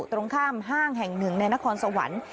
ตรงข้ามห้างแห่งหนึ่งในนครสวรรค์